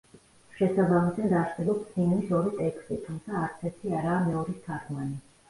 შესაბამისად არსებობს ჰიმნის ორი ტექსტი, თუმცა არც ერთი არაა მეორის თარგმანი.